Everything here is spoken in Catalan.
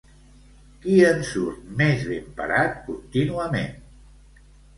Qui en surt més ben parat contínuament?